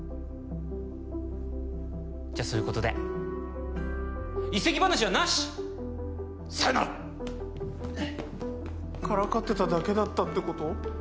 じゃそういうことで移籍話はなしさよならからかってただけだったってこと？